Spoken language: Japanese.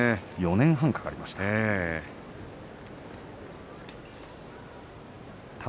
４年半、かかりました。